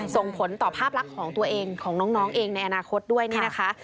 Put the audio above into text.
ส่งผลต่อภาพลักษณ์ของตัวเองของน้องเองในอนาคตด้วยนี่นะคะ